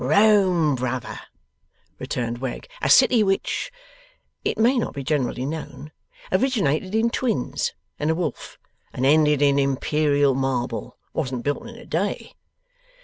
'Rome, brother,' returned Wegg: 'a city which (it may not be generally known) originated in twins and a wolf; and ended in Imperial marble: wasn't built in a day.